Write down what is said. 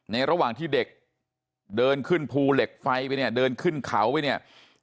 ระหว่างที่เด็กเดินขึ้นภูเหล็กไฟไปเนี่ยเดินขึ้นเขาไปเนี่ย